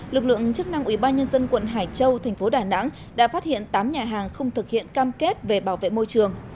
lực lượng chức năng ủy ban nhân dân quận hải châu thành phố đà nẵng đã phát hiện tám nhà hàng không thực hiện cam kết về bảo vệ môi trường